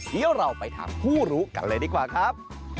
เดี๋ยวเราไปถามผู้รู้กันเลยดีกว่าครับ